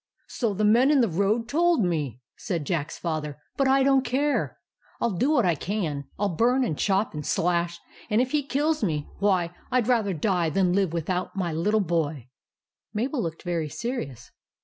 " So the men in the road told me," said Jack's Father ;" but I don't care. I '11 do what I can, — I '11 burn and chop and slash; and if he kills me — why, I 'd rather die than live without my little boy." Mabel looked very serious.